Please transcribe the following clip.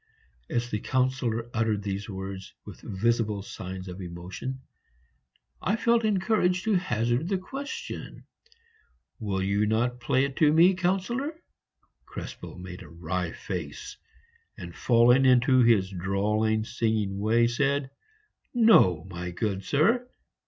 As the Councillor uttered these words with visible signs of emotion, I felt encouraged to hazard the question, "Will you not play it to me, Councillor?" Krespel made a wry face, and falling into his drawling, singing way, said, "No, my good sir!"